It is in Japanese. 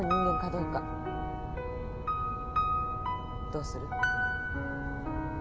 どうする？